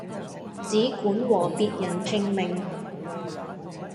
只管和別人拼命